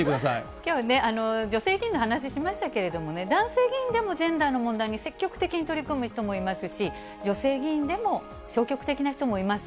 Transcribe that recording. きょうね、女性議員の話しましたけれどもね、男性議員でもジェンダーの問題に積極的に取り組む人もいますし、女性議員でも、消極的な人もいます。